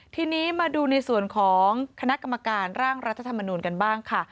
ทีนี้มาดูในส่วนของคณะกรรมการร่างรัฐธรรมนูลกันบ้างค่ะ